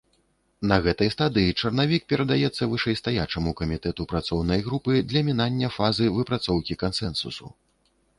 На гэтай стадыі чарнавік перадаецца вышэйстаячаму камітэту працоўнай групы для мінання фазы выпрацоўкі кансэнсусу.